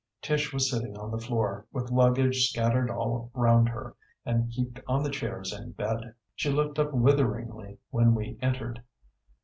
Tish was sitting on the floor, with luggage scattered all round her and heaped on the chairs and bed. She looked up witheringly when we entered.